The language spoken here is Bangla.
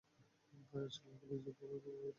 আসলে, আমি নিজেও এখনো অবিবাহিত, স্যার।